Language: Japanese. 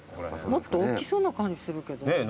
もっと大きそうな感じするけど。